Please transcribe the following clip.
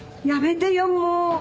やめてよもう！